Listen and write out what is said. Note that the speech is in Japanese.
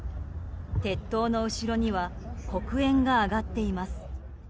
鉄塔の後ろには黒煙が上がっています。